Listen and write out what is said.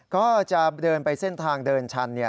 ก็จะเดินไปเส้นทางเดินชัน